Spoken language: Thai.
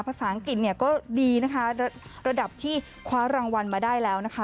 ภาษาอังกฤษเนี่ยก็ดีนะคะระดับที่คว้ารางวัลมาได้แล้วนะคะ